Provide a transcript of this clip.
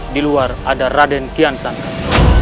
di luar ada raden kian santan